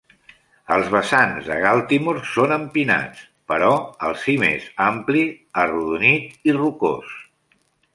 Els vessants de Galtymore són empinats, però el cim és ampli, arrodonit i rocós.